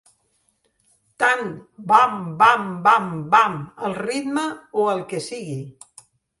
Tant "bam-bam-bam-bam" al ritme o el que sigui.